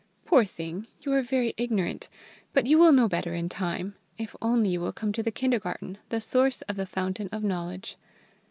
Poor thing, you are very ignorant; but you will know better in time if only you will come to the kindergarten, the source of the fountain of knowledge.